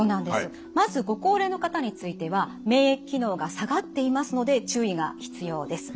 まずご高齢の方については免疫機能が下がっていますので注意が必要です。